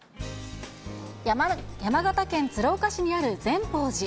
山形県鶴岡市にある善宝寺。